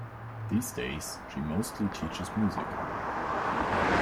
These days, she mostly teaches music.